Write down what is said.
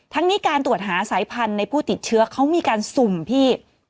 ทั้งนี้การตรวจหาสายพันธุ์ในผู้ติดเชื้อเขามีการสุ่มพี่